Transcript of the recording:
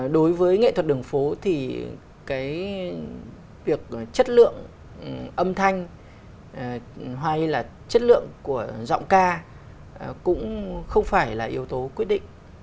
đối với nghệ thuật đường phố thì cái việc chất lượng âm thanh hay là chất lượng của giọng ca cũng không phải là yếu tố quyết định